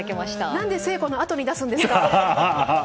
何で誠子のあとに出すんですか？